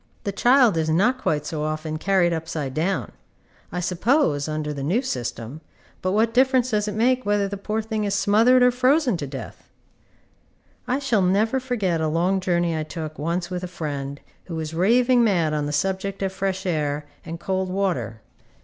The child is not quite so often carried upside down. I suppose, under the new system, but what difference does it make whether the poor thing is smothered or frozen to death? I never shall forget a long journey I took once with a friend who was raving mad on the subject of fresh air and cold water.